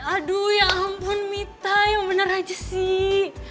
aduh ya ampun mita yang benar aja sih